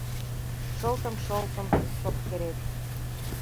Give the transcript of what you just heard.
Шылтым-шолтым шопкерет